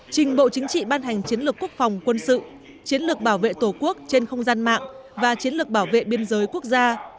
trình bộ chính trị ban hành chiến lược quốc phòng quân sự chiến lược bảo vệ tổ quốc trên không gian mạng và chiến lược bảo vệ biên giới quốc gia